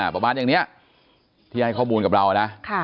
ประมาณอย่างนี้ที่ให้ข้อมูลกับเรานะ